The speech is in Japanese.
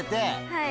はい。